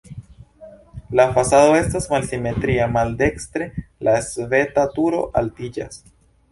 La fasado estas malsimetria, maldekstre la svelta turo altiĝas.